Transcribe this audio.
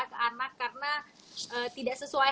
ke anak karena tidak sesuai